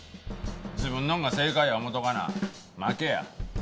自分のんが正解や思うとかな負けや。